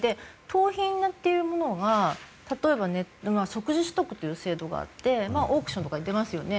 盗品というものが、例えば即時取得という制度があってオークションとかに出ますよね。